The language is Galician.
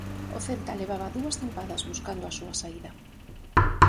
O Celta levaba dúas tempadas buscando a súa saída.